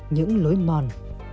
những lối mòn